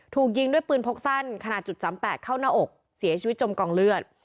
ถูกยิงด้วยปืนพกสั้นขนาด๓๘เข้าหน้าอกเสียชีวิตจมกองเลือด